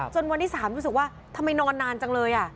วันที่๓รู้สึกว่าทำไมนอนนานจังเลย